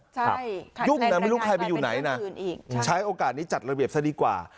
ใช่ยุ่งนะไม่รู้ใครไปอยู่ไหนนะใช้โอกาสนี้จัดระเบียบซะดีกว่า